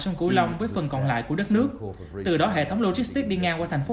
sông cửu long với phần còn lại của đất nước từ đó hệ thống logistic đi ngang qua thành phố